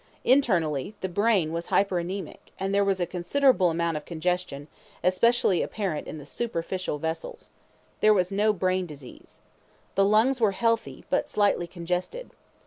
Internally, the brain was hyperaemic, and there was a considerable amount of congestion, especially apparent in the superficial vessels. There was no brain disease. The lungs were healthy, but slightly congested.